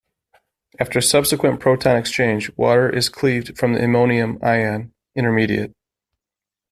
After subsequent proton exchange, water is cleaved from the iminium ion intermediate.